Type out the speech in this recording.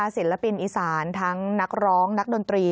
ศิลปินอีสานทั้งนักร้องนักดนตรี